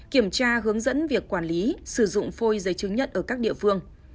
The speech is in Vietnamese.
kiểm tra hướng dẫn việc quản lý sử dụng phôi giấy chứng nhận ở các địa phương